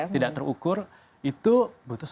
tidak terukur itu butuh satu ratus dua puluh delapan tahun gitu